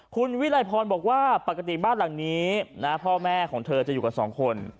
คุณวิไลพรบอกว่าปกติบ้านหลังนี้พ่อแม่ของเธอจะอยู่กันสองคน